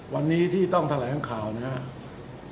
วันนี้ที่ต้องแถลงข่าวนะครับ